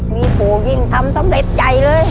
มีปู่ยิ่งทำสำเร็จใหญ่เลย